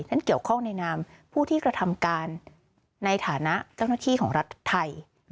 เกี่ยวข้องในนามผู้ที่กระทำการในฐานะเจ้าหน้าที่ของรัฐไทย